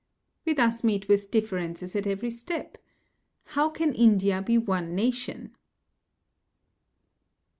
We thus meet with differences at every step. How can India be one nation?